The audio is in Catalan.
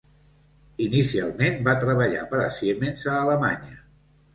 Inicialment va treballar per a Siemens a Alemanya.